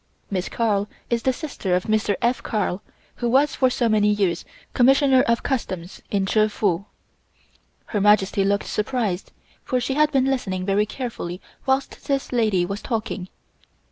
Miss Carl is the sister of Mr. F. Carl who was for so many years Commissioner of Customs in Chefoo. Her Majesty looked surprised, for she had been listening very carefully whilst this lady was talking.